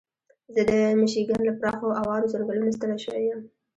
زه د میشیګن له پراخو اوارو ځنګلونو ستړی شوی یم.